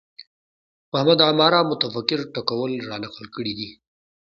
محمد عماره متفکر ټکول رانقل کړی دی